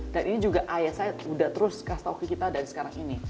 dan ini juga ayah saya udah terus kasih tau ke kita dari sekarang ini